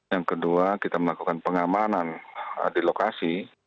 yang kedua kita melakukan pengamanan di lokasi